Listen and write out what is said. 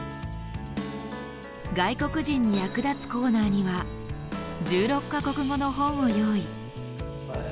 外国人に役立つコーナーには１６か国語の本を用意。